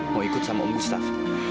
mau ikut sama om gustaf